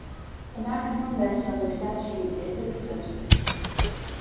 The maximum bench under statute is six judges.